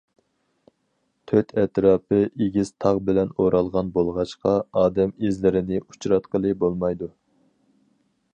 تۆت ئەتراپى ئېگىز تاغ بىلەن ئورالغان بولغاچقا، ئادەم ئىزلىرىنى ئۇچراتقىلى بولمايدۇ.